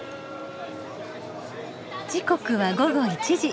時刻は午後１時。